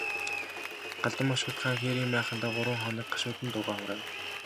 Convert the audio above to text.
Галдан бошигт хаан хээрийн майхандаа гурван хоног гашуудан дуугаа хураав.